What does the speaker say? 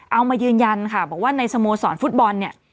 เอามายืนยันค่ะบอกว่าในสโมสรฟุตบอลเนี่ย